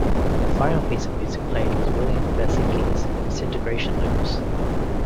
The final piece of music played was William Basinski's "Disintegration Loops".